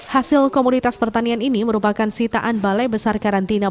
hasil komoditas pertanian ini merupakan sitaan balai besar karantina